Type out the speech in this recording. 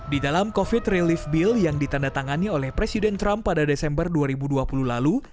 di dalam covid relief bill yang ditandatangani oleh presiden trump pada desember dua ribu dua puluh lalu